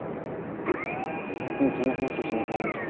最近その話しなくなりましたね。